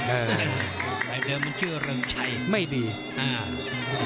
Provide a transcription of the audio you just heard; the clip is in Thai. เออใครเดิมมันชื่อเริงชัยไม่ดีอ่า